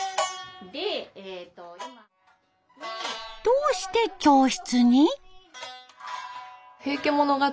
どうして教室に？